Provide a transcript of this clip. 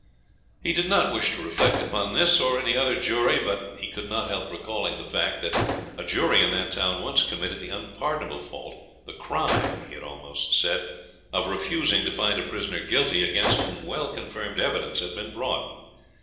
He did not wish to reflect upon this or any other jury, but he could not help recalling the fact that a jury in that town once committed the unpardonable fault, the crime, he had almost said, of refusing to find a prisoner guilty against whom well confirmed evidence had been brought.